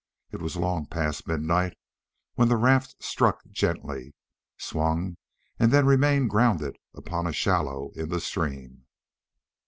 It was long past midnight when the raft struck gently, swung, and then remained grounded upon a shallow in the stream.